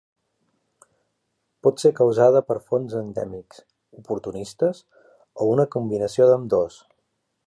Pot ser causada per fongs endèmics, oportunistes, o una combinació d'ambdós.